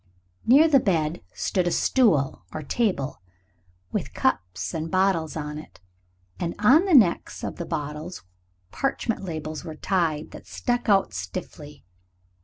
Near the bed stood a stool, or table, with cups and bottles on it, and on the necks of the bottles parchment labels were tied that stuck out stiffly.